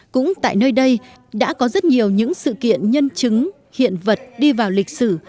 cũng tại nơi đây đã có rất nhiều những sự kiện nhân chứng hiện vật đi vào lịch sử